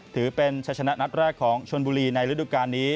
ถือเป็นชัยชนะนัดแรกของชนบุรีในฤดูการนี้